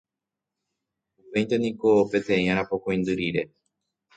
Upéinte niko peteĩ arapokõindy rire